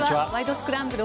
スクランブル」